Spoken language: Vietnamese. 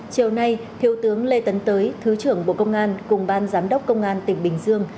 chiều nay thiếu tướng lê tấn tới thứ trưởng bộ công an cùng ban giám đốc công an tỉnh bình dương